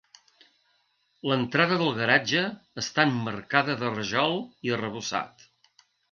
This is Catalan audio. L'entrada de garatge està emmarcada de rajol i arrebossat.